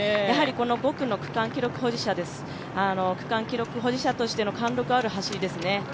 ５区の区間記録保持者としての貫禄ある走りですね。